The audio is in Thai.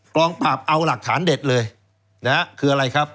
กองปราบเอาหลักฐานเด็ดเลยนะฮะคืออะไรครับ